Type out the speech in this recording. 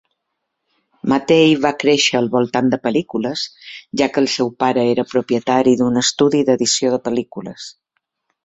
Mattei va créixer al voltant de pel·lícules, ja que el seu pare era propietari d'un estudi d'edició de pel·lícules.